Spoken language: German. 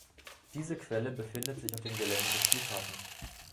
Diese Quelle befindet sich auf dem Gelände des Flughafens.